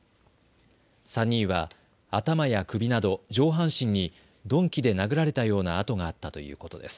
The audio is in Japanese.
３人は頭や首など上半身に鈍器で殴られたような痕があったということです。